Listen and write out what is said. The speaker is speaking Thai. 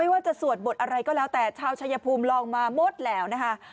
ว่าจะสวดบทอะไรก็แล้วแต่ชาวชายภูมิลองมาหมดแล้วนะคะ